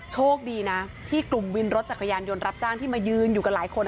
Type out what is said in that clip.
โชคดีนะที่กลุ่มวินรถจักรยานยนต์รับจ้างที่มายืนอยู่กันหลายคน